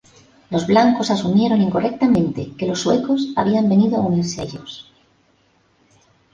Los blancos asumieron incorrectamente que los suecos habían venido a unirse a ellos.